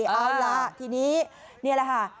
เอาล่ะทีนี้นี่แหละค่ะ